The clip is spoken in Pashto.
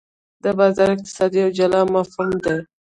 د بازار اقتصاد یو جلا مفهوم دی.